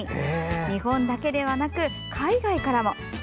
日本だけではなく海外からも。